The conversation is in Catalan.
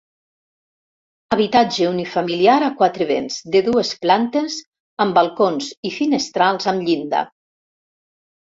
Habitatge unifamiliar a quatre vents de dues plantes amb balcons i finestrals amb llinda.